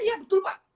iya betul pak